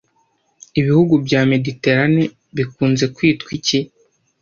Ibihugu bya Mediterane bikunze kwitwa iki